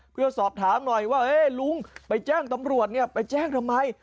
เพื่อสอบถามหน่อยว่าลุงไปแจ้งตำรวจเนี่ยไปแจ้งทำไม